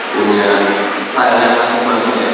punya style yang asik asik